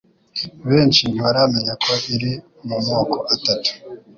benshi ntibaramenya ko iri mu moko atatu